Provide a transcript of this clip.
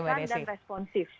dan didengarkan dan responsif